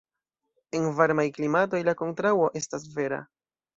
En varmaj klimatoj, la kontraŭo estas vera.